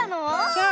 そう。